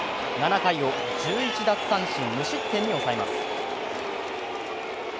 ７回を１１奪三振無失点に抑えます。